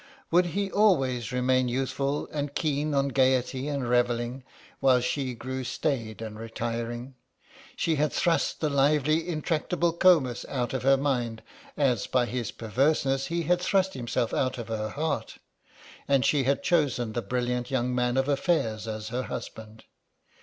Would he always remain youthful and keen on gaiety and revelling while she grew staid and retiring? She had thrust the lively intractable Comus out of her mind, as by his perverseness he had thrust himself out of her heart, and she had chosen the brilliant young man of affairs as her husband.